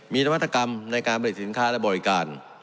มีนวัตกรรมในการผลิตสินค้าและบริการ